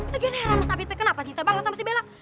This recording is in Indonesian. lagi lagi ngerang mas afifnya kenapa cinta banget sama si bela